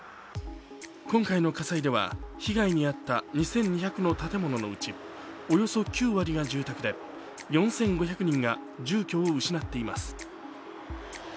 今回の火災では被害に遭った２２００の建物のうちおよそ９割が住宅で４５００人が住居を失っています。